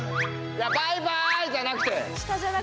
いやバイバーイじゃなくて。